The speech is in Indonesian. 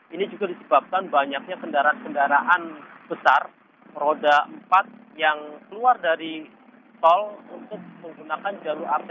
ini juga disebabkan banyaknya kendaraan kendaraan besar roda empat yang keluar